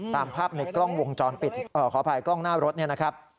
ตามภาพในกล้องวงจรปิดขออภัยกล้องหน้ารถเนี่ยนะครับ